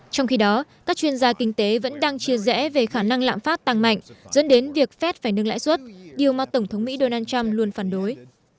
trong khi đó các chuyên gia kinh tế vẫn đang chia rẽ về khả năng lạm phát tăng mạnh dẫn đến việc phép phải nâng lãi suất điều mà tổng thống mỹ donald trump luôn phản đối